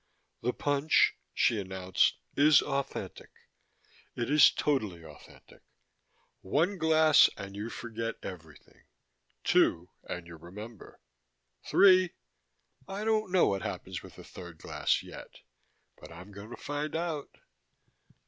"The punch," she announced, "is authentic. It is totally authentic. One glass and you forget everything. Two, and you remember. Three I don't know what happens with the third glass yet. But I'm going to find out."